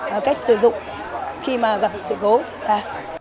và cách sử dụng khi mà gặp sự cố xảy ra